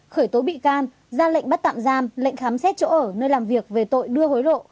khởi tố bị can ra lệnh bắt tạm giam lệnh khám xét chỗ ở nơi làm việc về tội đưa hối lộ